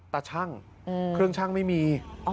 แต่ช่างเครื่องช่างไม่มีอ๋อ